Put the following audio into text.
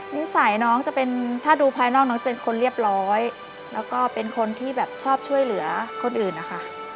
นิสัยน้องจะเป็นถ้าดูภายนอกน้องเป็นคนเรียบร้อยแล้วก็เป็นคนที่แบบชอบช่วยเหลือคนอื่นนะคะ